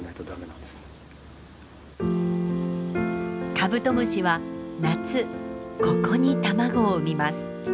カブトムシは夏ここに卵を生みます。